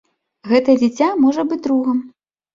Гэтае дзіця можа быць другам.